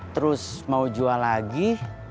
terus mau jual lagi